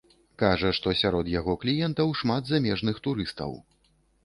Кажа, што сярод яго кліентаў шмат замежных турыстаў.